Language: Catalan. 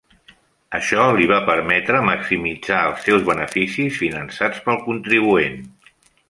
Això li va permetre maximitzar els seus beneficis finançats pel contribuent.